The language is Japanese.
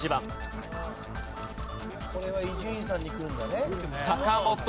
これは伊集院さんにくるんだね。